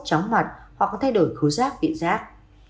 chóng mặt hoặc thay đổi khứ giác vị giác